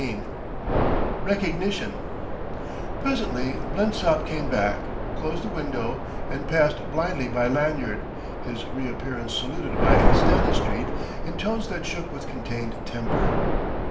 XV RECOGNITION Presently Blensop came back, closed the window, and passed blindly by Lanyard, his reappearance saluted by Stanistreet in tones that shook with contained temper.